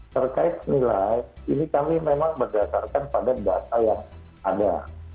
terkait nilai ini kami memang berdasarkan pada data yang ada